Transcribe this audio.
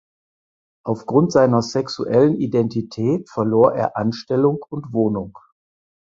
Aufgrund seiner sexuellen Identität verlor er Anstellung und Wohnung.